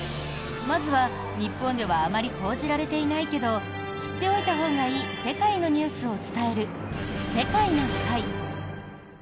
まずは、日本ではあまり報じられていないけど知っておいたほうがいい世界のニュースを伝える「世界な会」。